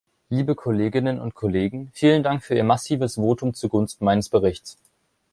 Liebe Kolleginnen und Kollegen, vielen Dank für Ihr massives Votum zugunsten meines Berichts.